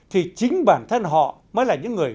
thì chính bản thân họ mới là những người